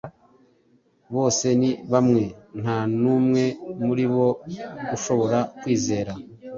Bose ni bamwe, nta n’umwe muri bo ushobora kwizera.